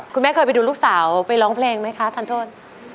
คุณแม่เคยไปดูลูกสาวไปร้องเพลงไหมคะทานโทษ